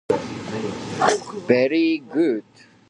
Very good!